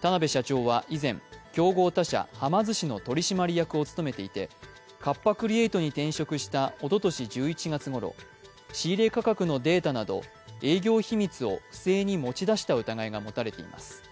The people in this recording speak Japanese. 田辺社長は以前、競合他社、はま寿司の取締役を務めていてカッパ・クリエイトに転職したおととし１１月ごろ、仕入価格のデータなど営業秘密を不正に持ち出した疑いが持たれています。